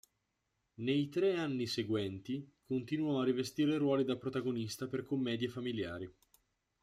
Nei tre anni seguenti continuò a rivestire ruoli da protagonista per commedie familiari.